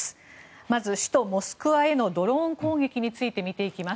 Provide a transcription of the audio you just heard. まず首都モスクワへのドローン攻撃について見ていきます。